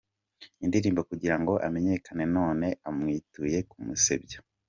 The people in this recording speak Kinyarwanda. indirimbo kugira ngo amenyekane none amwituye kumusebya.